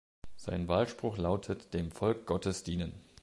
Sein Wahlspruch lautet: „Dem Volk Gottes dienen“.